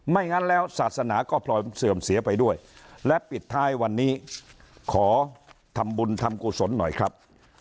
งั้นแล้วศาสนาก็พลอยเสื่อมเสียไปด้วยและปิดท้ายวันนี้ขอทำบุญทำกุศลหน่อยครับ